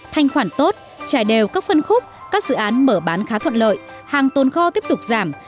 thanh khoản tốt trải đều các phân khúc các dự án mở bán khá thuận lợi hàng tồn kho tiếp tục giảm